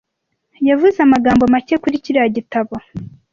Yavuze amagambo make kuri kiriya gitabo.